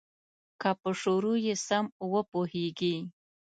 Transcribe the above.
که په شروع یې سم وپوهیږې.